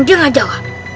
dia nggak jawab